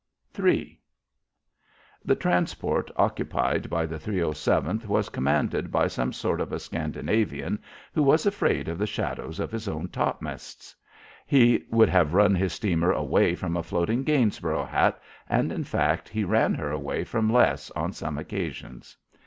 III The transport occupied by the 307th was commanded by some sort of a Scandinavian, who was afraid of the shadows of his own topmasts. He would have run his steamer away from a floating Gainsborough hat, and, in fact, he ran her away from less on some occasions.